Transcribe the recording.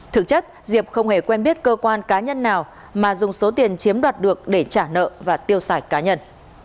thực chất diệp không hề quen biết cơ quan cá nhân nào mà dùng số tiền chiếm đoạt được để trả nợ và tiêu xài cá nhân